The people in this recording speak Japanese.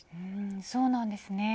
そうなんですね。